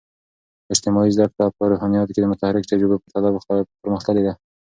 اجتماعي زده کړې په روحانيات کې د متحرک تجربو په پرتله مختلفې دي.